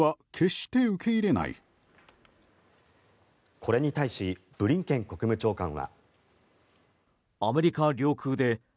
これに対しブリンケン国務長官は。